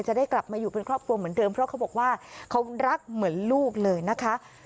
จะได้กลับมาอยู่เป็นครอบครัวเหมือนเดิมเพราะเขาบอกว่าเขารักเหมือนลูกเลยนะคะ